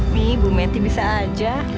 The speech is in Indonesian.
nih bu meti bisa aja